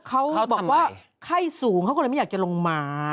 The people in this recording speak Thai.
เขาบอกว่าไข้สูงเขาก็เลยไม่อยากจะลงมา